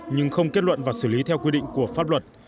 nhưng không kết luận và xử lý theo quy định của pháp luật